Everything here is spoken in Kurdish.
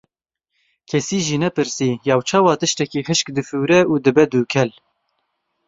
Kesî jî nepirsî, yaw çawa tiştekî hişk difûre û dibe dûkêl.